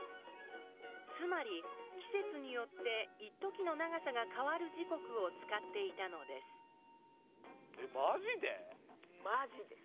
つまり季節によっていっときの長さが変わる時刻を使っていたのですえマジで？